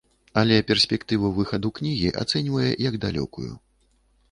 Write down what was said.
Але перспектыву выхаду кнігі ацэньвае як далёкую.